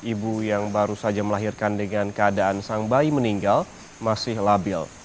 ibu yang baru saja melahirkan dengan keadaan sang bayi meninggal masih labil